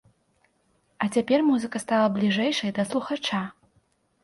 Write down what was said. А цяпер музыка стала бліжэйшай да слухача!